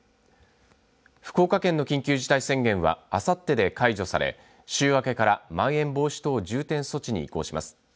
福岡県の緊急事態宣言はあさってで解除され、週明けからまん延防止等重点措置に移行します。